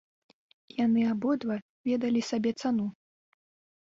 Яны абодва ведалі сабе цану.